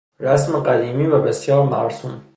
رسم قدیمی و بسیار مرسوم